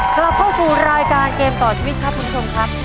กลับเข้าสู่รายการเกมต่อชีวิตครับคุณผู้ชมครับ